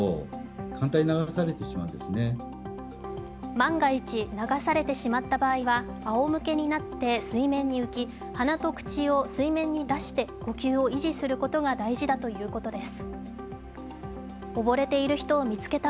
万が一流されてしまった場合はあおむけになって水面に浮き、鼻と口を水面に出して呼吸を維持することが大事だということです。